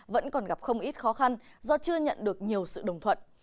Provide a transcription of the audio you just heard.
vẫn còn gặp không ít khó khăn do chưa nhận được nhiều sự đồng thuận